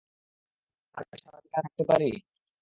আমরা কি সারাদিন এখানে থাকতে পারি?